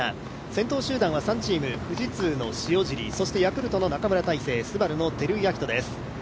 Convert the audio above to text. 先頭集団は３チーム、富士通の塩尻、そしてヤクルトの中村大聖、ＳＵＢＡＲＵの照井明人です。